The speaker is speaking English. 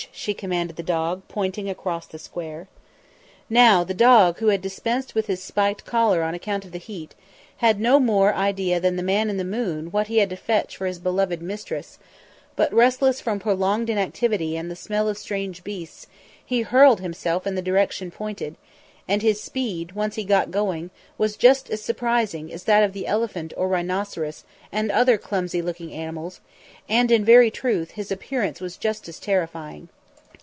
she commanded the dog, pointing across the square. Now, the dog, who had dispensed with his spiked collar on account of the heat, had no more idea than the man in the moon what he had to fetch for his beloved mistress; but, restless from prolonged inactivity and the smell of strange beasts, he hurled himself in the direction pointed; and his speed, once he got going, was as surprising as that of the elephant or rhinoceros and other clumsy looking animals, and in very truth, his appearance was just as terrifying.